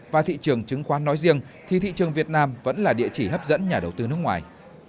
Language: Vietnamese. và thị trường chứng khoán nói riêng thì thị trường việt nam vẫn là địa chỉ hấp dẫn nhà đầu tư nước ngoài